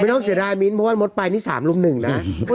ต้องเสียดายมิ้นท์เพราะว่ามดไปนี่๓รุ่มหนึ่งนะ